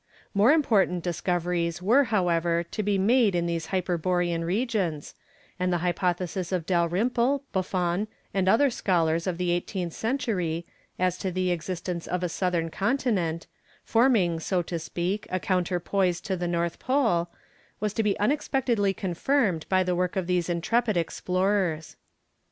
More important discoveries were, however, to be made in these hyberborean regions, and the hypothesis of Dalrymple, Buffon, and other scholars of the eighteenth century, as to the existence of a southern continent, forming, so to speak, a counterpoise to the North Pole, was to be unexpectedly confirmed by the work of these intrepid explorers.